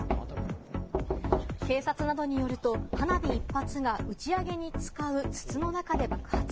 警察などによると、花火１発が打ち上げに使う筒の中で爆発。